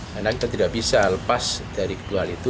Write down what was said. karena kita tidak bisa lepas dari kedua hal itu